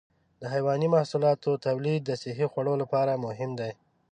د حيواني محصولاتو تولید د صحي خوړو لپاره مهم دی.